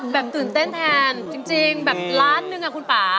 ตื่นเต้นแทนจริงแบบล้านหนึ่งอ่ะคุณป่า